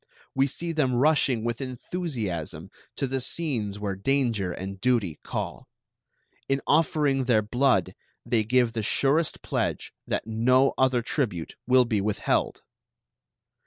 We see them rushing with enthusiasm to the scenes where danger and duty call. In offering their blood they give the surest pledge that no other tribute will be withheld.